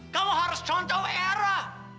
kamu harus contoh era